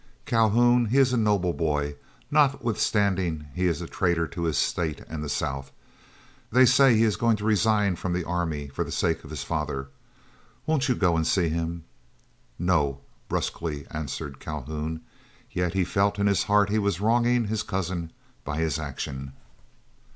Calhoun, he is a noble boy, notwithstanding he is a traitor to his state and the South. They say he is going to resign from the army for the sake of his father. Won't you go and see him?" "No," brusquely answered Calhoun, yet he felt in his heart he was wronging his cousin by his action.